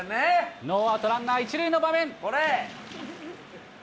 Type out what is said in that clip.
ノーアウトランナー１塁の場面。